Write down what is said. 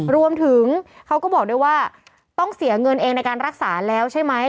รวมถึงเขาก็บอกด้วยว่าต้องเสียเงินเองในการรักษาแล้วใช่ไหม